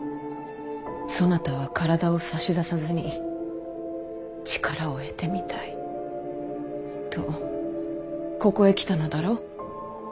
そなたは体を差し出さずに力を得てみたいとここへ来たのだろ？